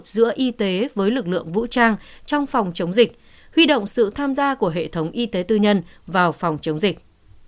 giữa y tế với lực lượng vũ trang trong phòng chống dịch huy động sự tham gia của hệ thống y tế tư nhân vào phòng chống dịch